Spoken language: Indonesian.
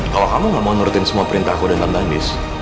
kalau kamu gak mau menurutin semua perintahku dengan tandis